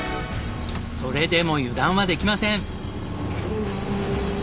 それでも油断はできません。